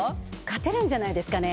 勝てるんじゃないですかね。